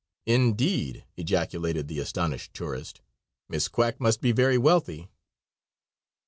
"Indeed," ejaculated the astonished tourist; "Miss Quack must be very wealthy."